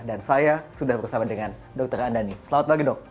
dan saya sudah bersama dengan dr andani selamat pagi dok